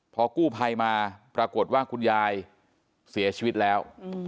พอกู้ภัยมาปรากฏว่าคุณยายเสียชีวิตแล้ว